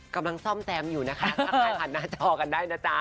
กำลังซ่อมแซมอยู่นะคะทักทายผ่านหน้าจอกันได้นะจ๊ะ